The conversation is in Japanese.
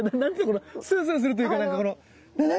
このスースーするというか何かこの何？